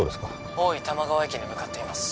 大井玉川駅に向かっています